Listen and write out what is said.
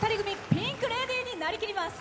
ピンク・レディーになりきります。